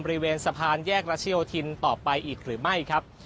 บริเวณสะพานแยกรัชโยธินต่อไปอีกหรือไม่ครับ